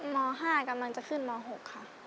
ม๕กำลังจะขึ้นม๖ค่ะ